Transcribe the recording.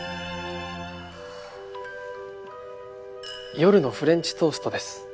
夜のフレンチトーストです。